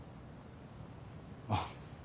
あっ。